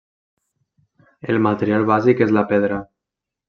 El material bàsic és la pedra.